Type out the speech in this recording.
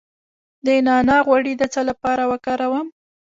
د نعناع غوړي د څه لپاره وکاروم؟